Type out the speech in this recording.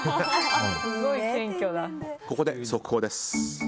ここで速報です。